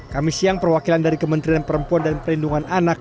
kami siang perwakilan dari kementerian perempuan dan perlindungan anak